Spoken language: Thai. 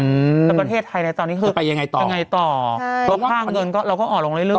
แต่ประเทศไทยในตอนนี้คือไปยังไงต่อค่าเงินเราก็อ่อนลงเรื่อย